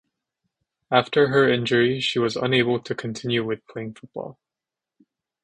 After her injury she was unable to continue with playing football.